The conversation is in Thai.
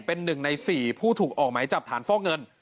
เป็น๑ใน๔ผู้ถูกออกหมายจับฐานฟอกเงิน